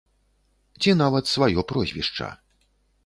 Ці нават сваё прозвішча.